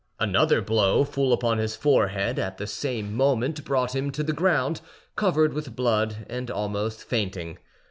Another blow full upon his forehead at the same moment brought him to the ground, covered with blood and almost fainting.